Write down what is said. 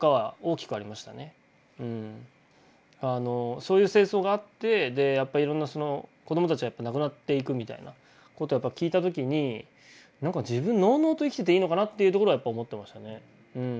そういう戦争があってやっぱりいろんなその子どもたちが亡くなっていくみたいなことを聞いた時になんか自分ノウノウと生きてていいのかなっていうところはやっぱ思ってましたね。